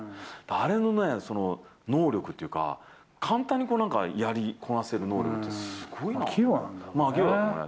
あれのね、能力っていうか、簡単にこう、やりこなせる能力ってすごいよね。